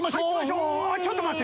ちょっと待って。